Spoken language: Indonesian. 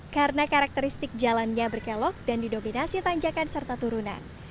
karena karakteristik jalannya berkelok dan didominasi tanjakan serta turunan